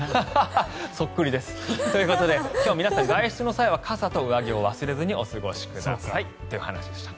そっくりです。ということで今日は皆さん外出の際は傘と上着を忘れずにお過ごしくださいという話でした。